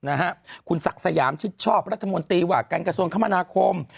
อ่ะคุณศักดิ์สะย้ามชอบรัฐมนตรีหว่ากันกระทรวงคมณะคม